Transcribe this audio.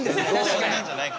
こんなんじゃない。